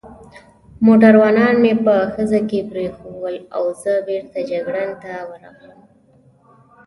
موټروانان مې په خزه کې پرېښوول او زه بېرته جګړن ته ورغلم.